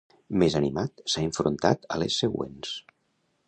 Més animat, s'ha enfrontat a les següents.